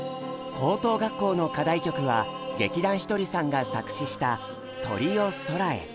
高等学校の課題曲は劇団ひとりさんが作詞した「鳥よ空へ」。